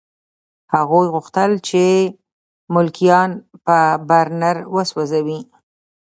هغوی غوښتل چې ملکیان په برنر وسوځوي